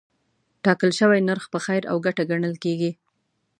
ټاکل شوی نرخ په خیر او ګټه ګڼل کېږي.